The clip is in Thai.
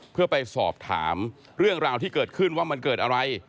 เพื่อไปสอบถามเรื่องราวที่เกิดขึ้นว่ามันเกิดอะไร